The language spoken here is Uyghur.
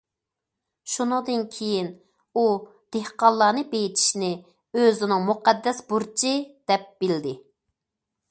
شۇنىڭدىن كېيىن، ئۇ دېھقانلارنى بېيىتىشنى ئۆزىنىڭ مۇقەددەس بۇرچى دەپ بىلدى.